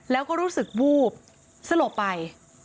แล้วก็รู้สึกวูบสลบไป